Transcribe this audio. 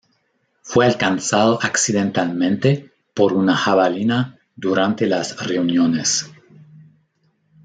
Fue alcanzado accidentalmente por una jabalina durante las reuniones.